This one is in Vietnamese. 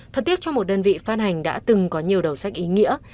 thật tiếc trong một đơn vị phát hành đã từng có nhiều đầu sách ý nghĩa